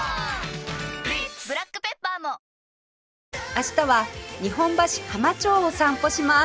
明日は日本橋浜町を散歩します